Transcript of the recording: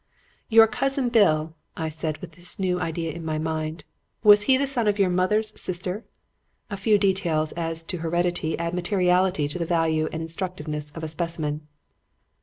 "'Your Cousin Bill,' I said, with this new idea in my mind. 'Was he the son of your mother's sister?' (A few details as to heredity add materially to the value and instructiveness of a specimen.)